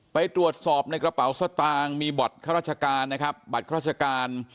ไปตรวจสอบในกระเป๋าสตางค์มีบัตรราชการ